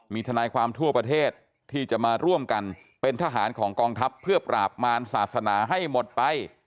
มีทนายความทั่วประเทศที่จะมาร่วมกันเป็นทหารของกองทัพเพื่อปราบมารศาสนาให้หมดไป